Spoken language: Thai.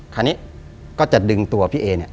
คราวนี้ก็จะดึงตัวพี่เอเนี่ย